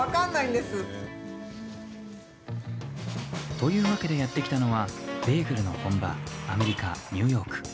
というわけで、やって来たのはベーグルの本場アメリカ・ニューヨーク。